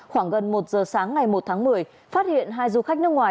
khoảng gần một giờ sáng ngày một tháng một mươi phát hiện hai du khách nước ngoài